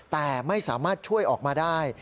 แต่ไม่สามารถช่วยออกมาได้